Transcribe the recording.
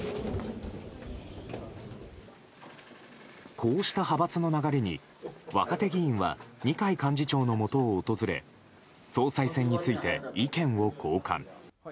こうした派閥の流れに若手議員は二階幹事長のもとを訪れ総裁選について意見を交換。